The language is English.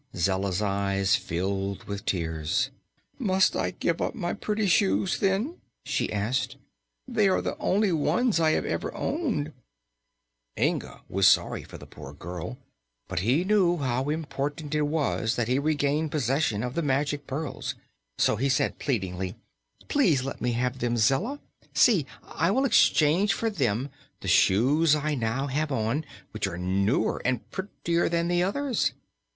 Zella's eyes filled with tears. "Must I give up my pretty shoes, then?" she asked. "They are the only ones I have ever owned." Inga was sorry for the poor child, but he knew how important it was that he regain possession of the Magic Pearls. So he said, pleadingly: "Please let me have them, Zella. See! I will exchange for them the shoes I now have on, which are newer and prettier than the others."